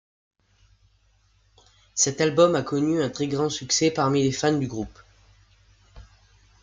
Cet album a connu un très grand succès parmi les fans du groupe.